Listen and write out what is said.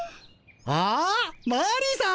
あマリーさん。